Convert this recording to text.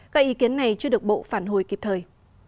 các ý kiến này chưa được bộ phản hồi kịp thời